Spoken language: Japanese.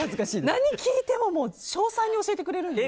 何を聞いても詳細に教えてくれるので。